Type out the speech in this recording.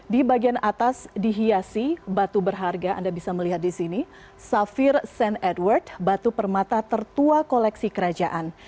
di bagian atas dihiasi batu berharga anda bisa melihat di sini safir san edward batu permata tertua koleksi kerajaan